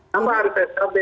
sama harus skb